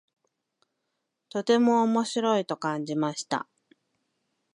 とても面白いと感じました。